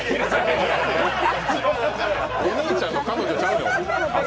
お兄ちゃんの彼女ちゃうよ。